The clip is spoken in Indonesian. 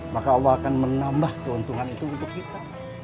maka allah akan menambah keuntungan itu untuk kita